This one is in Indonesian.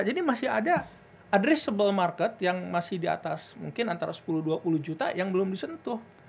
jadi masih ada addressable market yang masih di atas mungkin antara sepuluh dua puluh juta yang belum disentuh